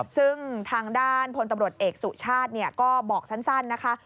ซึ่งทางด้านพลตำรวจเอกสุชาติก็บอกสั้นนะคะ